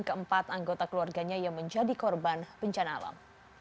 keempat anggota keluarganya yang menjadi korban bencana alam